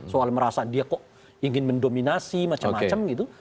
soal merasa dia kok ingin mendominasi macam macam gitu